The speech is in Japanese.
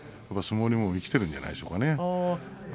相撲にも生きてるんじゃないですか。